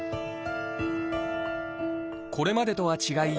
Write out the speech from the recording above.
これまでとは違い